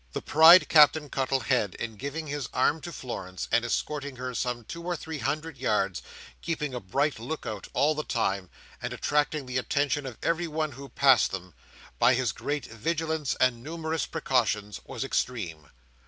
The pride Captain Cuttle had, in giving his arm to Florence, and escorting her some two or three hundred yards, keeping a bright look out all the time, and attracting the attention of everyone who passed them, by his great vigilance and numerous precautions, was extreme.